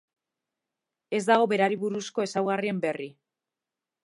Ez dago berari buruzko ezaugarrien berri.